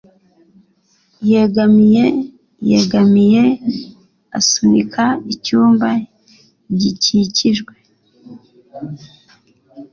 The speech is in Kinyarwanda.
Yegamiye yegamiye asunika icyumba gikikijwe